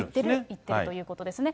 行ってるということですね。